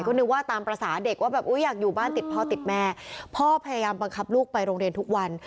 ก็นึกว่าตามภาษาเด็กว่าแบบอุ้ยอยากอยู่บ้านติดพ่อติดแม่พ่อพยายามบังคับลูกไปโรงเรียนทุกวัน